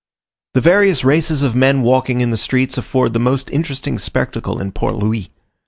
The various races of men walking in the streets afford the most interesting spectacle in Port Louis.